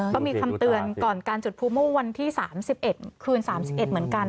ก็มีคำเตือนก่อนการจุดพูโม่วันที่๓๑คืน๓๑เหมือนกัน